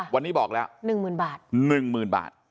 วันนี้บอกแล้ว๑หมื่นบาท